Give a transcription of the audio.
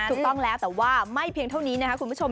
ถูกต้องแล้วแต่ว่าไม่เพียงเท่านี้นะครับคุณผู้ชม